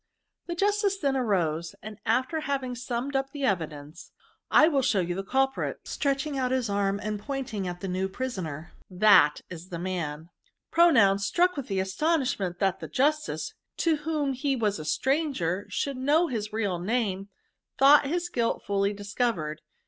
*^ The justice then arose^ and after hav ing summed up the evidence, * I will show you the culprit/ said he, stretching out his arm, and pointing to the new prisoner, * That is the man.* '' Pronoim, struck with astonishment that the justice, to whom he was a stranger, should know his real name, thought his guilt fully discovered.